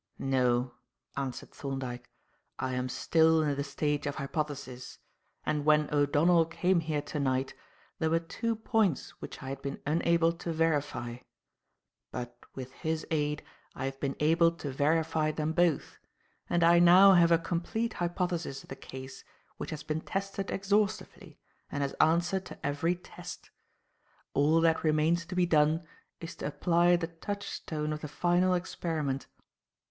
"No," answered Thorndyke. "I am still in the stage of hypothesis; and when O'Donnell came here to night there were two points which I had been unable to verify. But with his aid I have been able to verify them both, and I now have a complete hypothesis of the case which has been tested exhaustively and has answered to every test. All that remains to be done is to apply the touchstone of the final experiment."